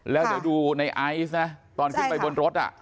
แล้วเดี๋ยวดูในไอซ์นะตอนขึ้นไปบนรถอ่ะ